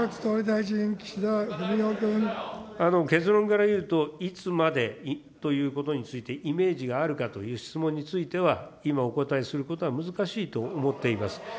結論からいうと、いつまでにということについて、イメージがあるかという質問については、今お答えすることは難しいと思っています。